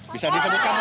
bisa disebutkan apa pak